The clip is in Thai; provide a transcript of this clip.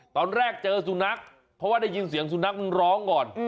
ตอนแรกเจอสุนัขเพราะว่าได้ยินเสียงสุนัขมันร้องก่อน